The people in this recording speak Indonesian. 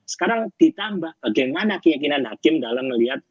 sekarang ditambah bagaimana keyakinan hakim dalam melihat